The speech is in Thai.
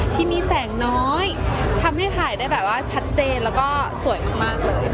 ที่มีแสงน้อยทำให้ถ่ายได้แบบว่าชัดเจนแล้วก็สวยมากเลย